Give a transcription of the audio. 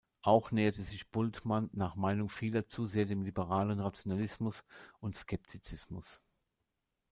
Auch näherte sich Bultmann nach Meinung vieler zu sehr dem liberalen Rationalismus und Skeptizismus.